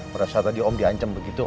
berasa tadi om di ancam begitu